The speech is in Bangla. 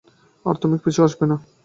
আর আমার পিছু আসবে না।